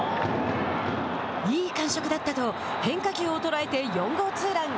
「いい感触だった」と変化球を捉えて４号ツーラン。